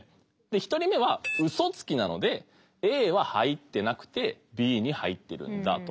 １人目はウソつきなのでＡは入ってなくてＢに入ってるんだと。